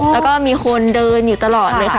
แล้วก็มีคนเดินอยู่ตลอดเลยค่ะ